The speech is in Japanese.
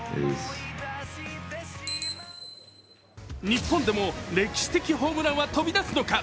日本でも歴史的ホームランは飛び出すのか。